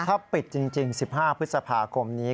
ถ้าปิดจริง๑๕พฤษภาคมนี้